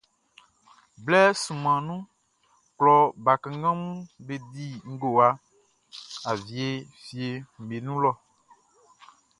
Blɛ sunman nunʼn, klɔ bakannganʼm be di ngowa awie fieʼm be wun lɛ.